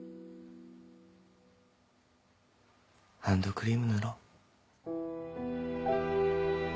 ハンドクリーム塗ろう。